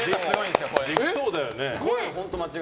でも、できそうだよね。